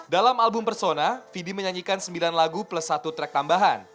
dalam album persona fidi menyanyikan sembilan lagu plus satu track tambahan